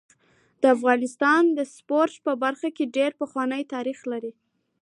د افغانستان د سپورټ په برخه کي ډير پخوانی تاریخ لري.